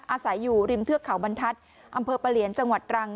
อาศัยอยู่ริมเทือกเขาบรรทัศน์อำเภอปะเหลียนจังหวัดรัง